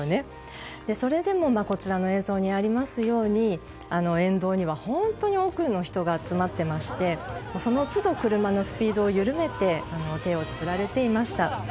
それでもこちらの映像にありますように沿道には本当に多くの人が集まっていましてその都度、車のスピードを緩めて手を振られていました。